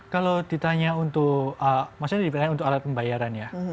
kalau ditanya untuk alat pembayaran ya